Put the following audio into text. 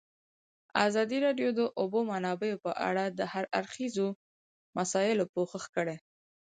ازادي راډیو د د اوبو منابع په اړه د هر اړخیزو مسایلو پوښښ کړی.